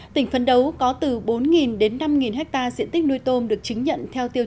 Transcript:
tỉnh phấn đấu có từ bốn đến năm ha diện tích nuôi tôm được chứng nhận